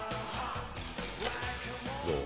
どう？